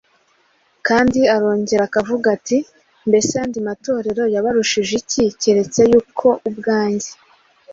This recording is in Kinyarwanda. Kandi arongera akavuga ati, “Mbese ayandi matorero yabarushije iki keretse yuko ubwanjye